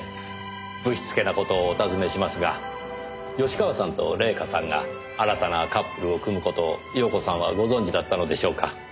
ぶしつけな事をお尋ねしますが芳川さんと礼夏さんが新たなカップルを組む事を遥子さんはご存じだったのでしょうか？